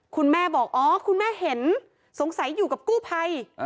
คุณแม่บอกอ๋อคุณแม่เห็นสงสัยอยู่กับกู้ภัย